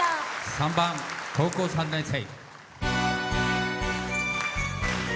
３番「高校三年生」。